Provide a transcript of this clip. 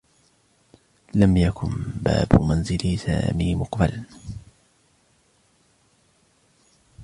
لم يكن باب منزل سامي مقفلا.